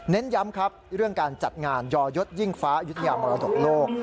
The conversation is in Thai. ย้ำครับเรื่องการจัดงานยอยศยิ่งฟ้ายุธยามรดกโลก